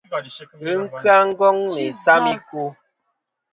Ghɨ kya Ngong nɨ isam i kwo.